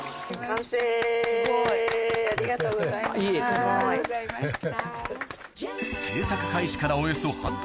最後に・はい・ありがとうございました。